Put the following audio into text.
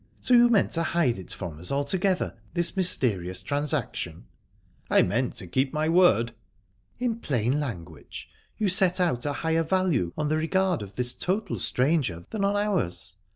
So you meant to hide it from us altogether, this mysterious transaction?" "I meant to keep my word." "In plain language, you set out a higher value on the regard of this total stranger than on ours?